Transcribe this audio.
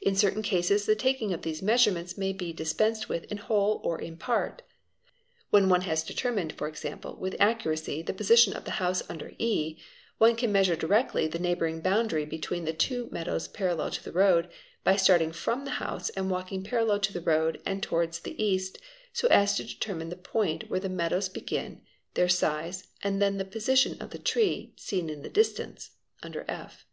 In certain cases the taking of these measurements may be dispensed with in whole or in part. When one has determined, for example, with accuracy the position of the house under e, one can measure directly the neighbouring boundary between the two meadows parallel to the road, by starting from the house and walking parallel to the road and towards the ast so as to determine the point where the meadows begin, their size, and then the position of the tree "seen in the distance'? (under f).